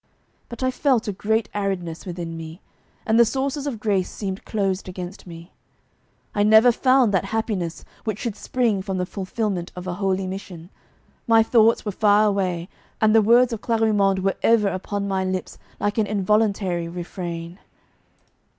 But I felt a great aridness within me, and the sources of grace seemed closed against me. I never found that happiness which should spring from the fulfilment of a holy mission; my thoughts were far away, and the words of Clarimonde were ever upon my lips like an involuntary refrain.